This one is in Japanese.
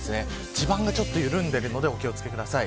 地盤が緩んでるのでお気を付けください。